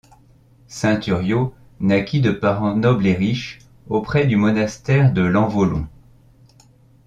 Saint Thuriau naquit de parents nobles et riches, auprès du monastère de Lanvollon.